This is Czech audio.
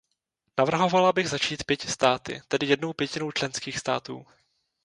Navrhovala bych začít pěti státy, tedy jednou pětinou členských států.